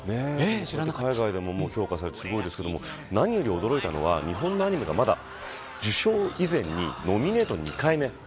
海外でも評価されてすごいですけど、驚いたのは日本のアニメがまだ受賞以前に、ノミネート２回目。